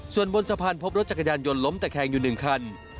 ส่วนบนสะพานพบรถจักรยานยนต์ล้มตะแคงอยู่๑คัน